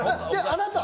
あなた。